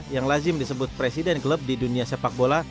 yang lazim disebut presiden klub di dunia sepak bola